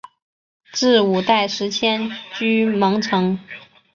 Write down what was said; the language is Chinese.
至五代时迁居蒙城。